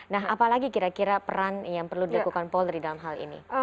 nah apalagi kira kira peran yang perlu dilakukan polri dalam hal ini